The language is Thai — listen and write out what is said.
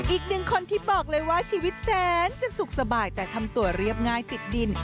อีกหนึ่งคนที่บอกเลยว่าชีวิตแสนจะสุขสบายแต่ทำตัวเรียบง่ายติดดิน